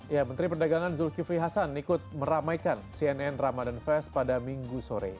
ya menteri perdagangan zulkifli hasan ikut meramaikan cnn ramadan fest pada minggu sore